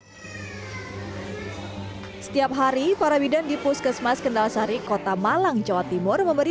hai setiap hari para bidan di puskesmas kendalsari kota malang jawa timur memberi